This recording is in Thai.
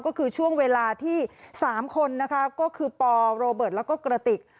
ก็คือช่วงเวลาที่๓คนนะคะก็คือปโรเบิร์ตแล้วก็กระติก